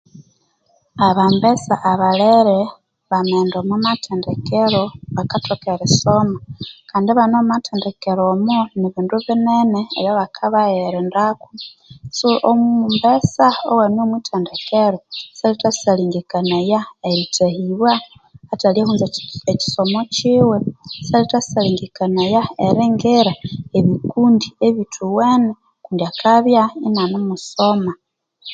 Abambesa abalere bamaghende omumathendekero bakathoka erisoma kandi ibane omu mathendekero omo nibindu binene ebibakayirindako so omumbesa owane omwithendekero syalithasyalengekanaya erithahibwa athalyaghunza ekisomo kiwe syalithasalengekanaya eringira omwa bikundi abithuwene kundi akabya inyanemusoma